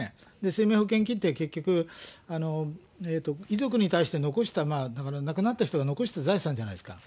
生命保険金って、結局、遺族に対して残した、亡くなった人が残した財産じゃないですか。